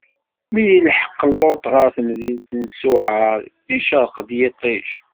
Mi yelḥeq Luṭ ɣer temdint n Ṣuɛar, icṛeq-d yiṭij.